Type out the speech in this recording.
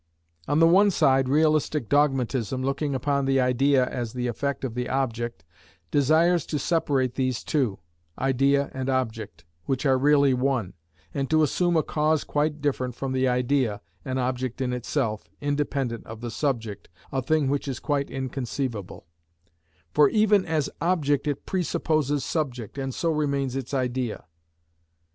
On the one side realistic dogmatism, looking upon the idea as the effect of the object, desires to separate these two, idea and object, which are really one, and to assume a cause quite different from the idea, an object in itself, independent of the subject, a thing which is quite inconceivable; for even as object it presupposes subject, and so remains its idea.